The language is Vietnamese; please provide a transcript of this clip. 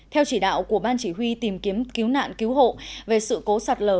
theo chỉ đạo của ban chỉ huy tìm kiếm cứu nạn cứu hộ về sự cố sạt lở